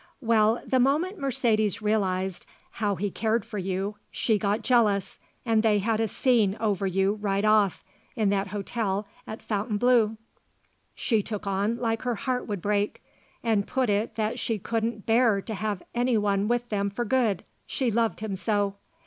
Well, the moment Mercedes realized how he cared for you she got jealous and they had a scene over you right off, in that hotel at Fontainebleau. She took on like her heart would break and put it that she couldn't bear to have any one with them for good, she loved him so.